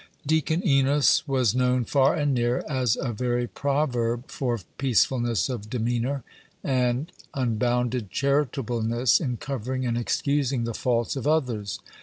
Deacon Enos was known far and near as a very proverb for peacefulness of demeanor and unbounded charitableness in covering and excusing the faults of others.